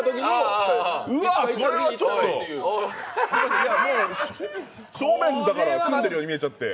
それはちょっと正面だから、組んでるように見えちゃって。